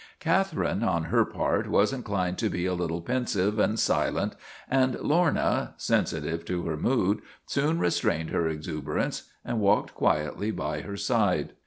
Catherine, on her part, was inclined to be a little pensive and silent and Lorna, sensitive to her mood, soon restrained her exuberance and walked quietly by her side.